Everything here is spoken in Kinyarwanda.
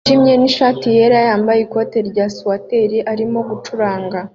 yijimye nishati yera yambaye ikoti rya swater arimo gucuranga